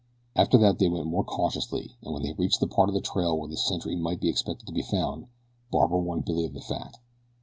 After that they went more cautiously, and when they reached the part of the trail where the sentry might be expected to be found, Barbara warned Billy of the fact.